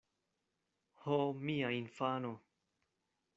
Ho, mia infano!